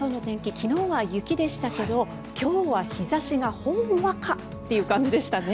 昨日は雪でしたけど今日は日差しがほんわかっていう感じでしたね。